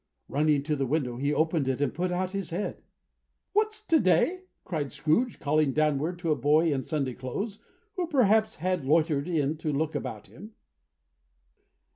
Running to the window, he opened it and put out his head. "What's to day?" cried Scrooge, calling downward to a boy in Sunday clothes, who perhaps had loitered in to look about him.